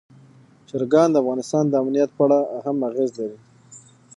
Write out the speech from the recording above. چرګان د افغانستان د امنیت په اړه هم اغېز لري.